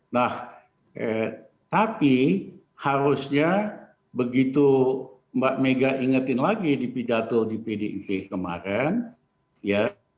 nah tapi harusnya begitu mbak mega ingetin lagi di pidato di pdip kemarin ya